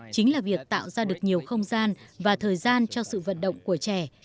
chính là việc tạo ra được nhiều không gian và thời gian cho sự vận động của trẻ